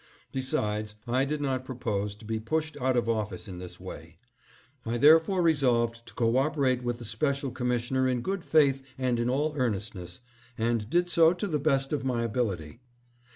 Besides, I did not propose to be pushed out of office in this way. I there fore resolved to co operate with the special commissioner in good faith and in all earnestness, and did so to the best of my ability.